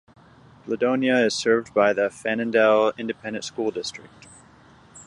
Ladonia is served by the Fannindel Independent School District.